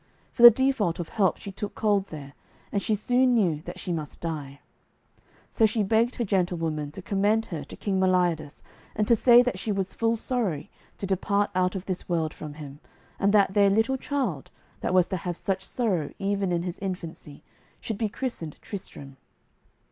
For the default of help she took cold there, and she soon knew that she must die. So she begged her gentlewoman to commend her to King Meliodas, and to say that she was full sorry to depart out of this world from him, and that their little child, that was to have such sorrow even in his infancy, should be christened Tristram.